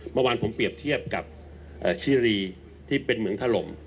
เมื่อวานผมเปรียบเทียบกับชิรีที่เป็นเหมืองถล่ม